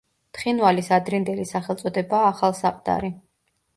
თხინვალის ადრინდელი სახელწოდებაა ახალსაყდარი.